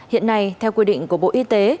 hiện nay theo quy định của bộ y tế